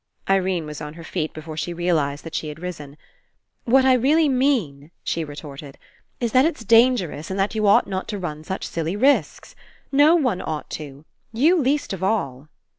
Irene was on her feet before she real ized that she had risen. "What I really mean," she retorted, "is that it's dangerous and that you ought not to run such silly risks. No one ought to. You least of all."